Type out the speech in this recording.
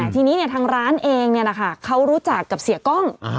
ทีนี้เนี่ยทางร้านเองเนี่ยนะคะเขารู้จักกับเสียกล้อง